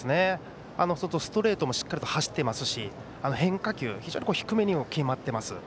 外、ストレートもしっかり走っていますし変化球も非常に低めに決まっています。